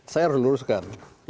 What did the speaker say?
saya harus luruskan